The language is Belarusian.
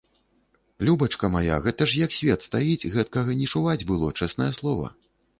Любачка мая, гэта ж як свет стаіць, гэткага не чуваць было, чэснае слова.